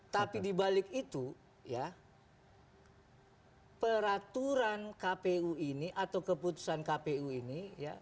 tapi dibalik itu ya peraturan kpu ini atau keputusan kpu ini